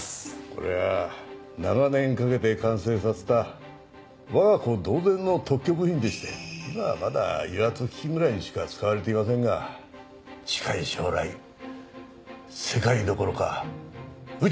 これは長年かけて完成させた我が子同然の特許部品でして今はまだ油圧機器ぐらいにしか使われていませんが近い将来世界どころか宇宙に進出しますよ。